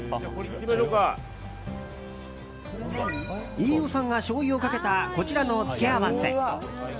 飯尾さんがしょうゆをかけたこちらの付け合わせ。